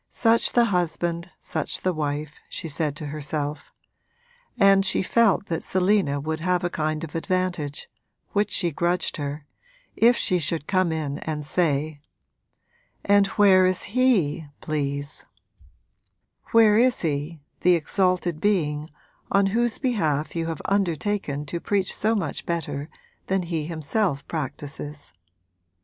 Such the husband such the wife, she said to herself; and she felt that Selina would have a kind of advantage, which she grudged her, if she should come in and say: 'And where is he, please where is he, the exalted being on whose behalf you have undertaken to preach so much better than he himself practises?'